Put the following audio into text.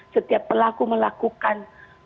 setiap pelaku melakukan